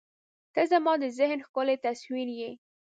• ته زما د ذهن ښکلی تصویر یې.